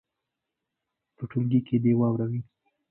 په ټولګي کې دې یې واوروي.